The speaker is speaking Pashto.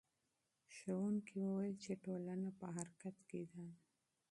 استاد وویل چې ټولنه په حرکت کې ده.